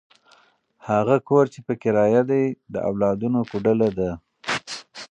هغه کور چې په کرایه دی، د اولادونو کوډله ده.